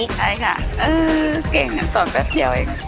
ได้ค่ะเออเก่งตอนแป๊บเดียวเอง